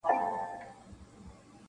• نښانې د جهالت سولې څرگندي -